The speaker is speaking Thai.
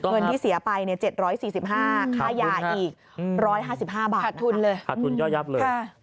เงินที่เสียไป๗๔๕บาทค่าย่าอีก๑๕๕บาทขาดทุนยอดยับเลย